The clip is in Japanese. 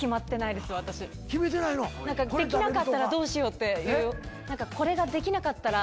できなかったらどうしようって。